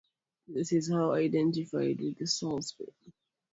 This is now identified with the Salt Pit.